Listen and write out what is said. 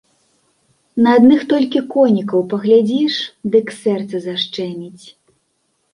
На адных толькі конікаў паглядзіш, дык сэрца зашчэміць.